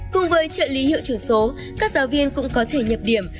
cùng với trợ lý hiệu trưởng số các giáo viên cũng có thể nhập điểm